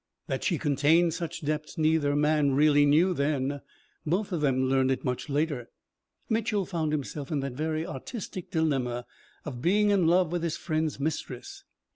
That she contained such depths neither man really knew then. Both of them learned it much later. Mitchel found himself in that very artistic dilemma of being in love with his friend's mistress.